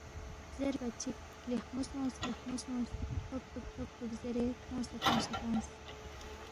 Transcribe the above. زیربا چِک، لیخمو سونگ لیخمو سونگ، تھوبتُوک تھوبتُوک زیرے کھونگ سہ فیُونگسے تنگس